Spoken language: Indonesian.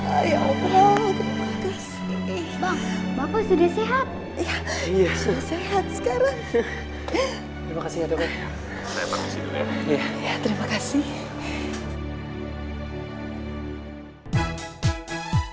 alhamdulillah ya allah terima kasih